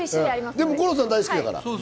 でも五郎さんは大好きだから。